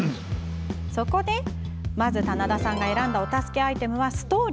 そこで、まず棚田さんが選んだお助けアイテムはストール。